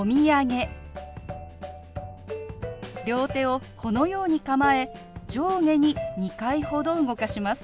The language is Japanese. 両手をこのように構え上下に２回ほど動かします。